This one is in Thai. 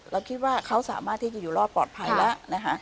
เราคิดว่าเขาสามารถที่จะอยู่รอดปลอดภัยแล้วนะคะ